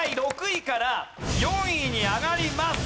６位から４位に上がります。